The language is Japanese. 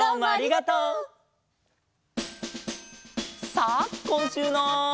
さあこんしゅうの。